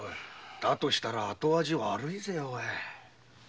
だとしたら後味悪いぜ。